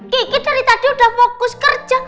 gigi dari tadi udah fokus kerja